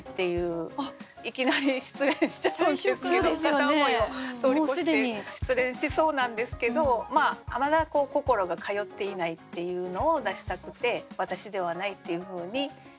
片思いを通り越して失恋しそうなんですけどまだ心が通っていないっていうのを出したくて「私ではない」っていうふうに入れました。